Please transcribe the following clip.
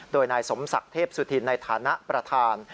โดยนายสมศักดิ์เทพสุธินในฐานะประธาน